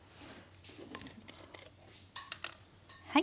はい。